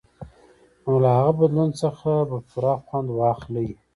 نو له هغه بدلون څخه به پوره خوند واخلئ.